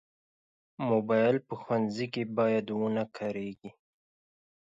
موبایل په ښوونځي کې باید ونه کارېږي.